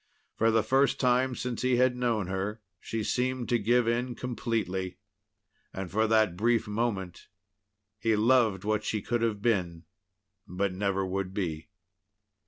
For the first time since he had known her, she seemed to give in completely. And for that brief moment, he loved what she could have been, but never would be.